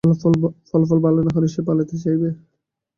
ফলাফল ভালো না হলে সে পালাতে চাইবে।